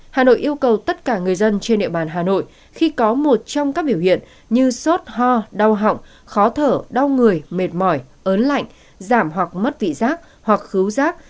hà nội yêu cầu tất cả người dân trên địa bàn hà nội khi có một trong các biểu hiện như sốt ho đau họng khó thở đau người mệt mỏi ớn lạnh giảm hoặc mất vị giác hoặc cứu rác